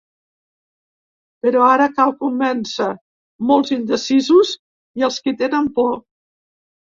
Però ara cal convèncer molts indecisos i els qui tenen por.